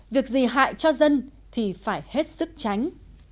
việc gì hại cho dân thì phải hết sức tránh